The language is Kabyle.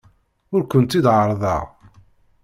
Ur kent-id-ɛerrḍeɣ.